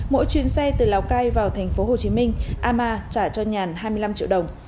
mỗi chuyến xe từ lào cai vào tp hcm ama trả cho nhàn hai mươi năm triệu đồng